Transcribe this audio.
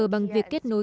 bằng việc kết nối